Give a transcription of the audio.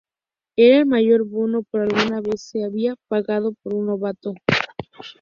Era el mayor bono que alguna vez se había pagado por un novato.